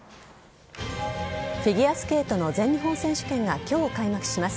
フィギュアスケートの全日本選手権が今日開幕します。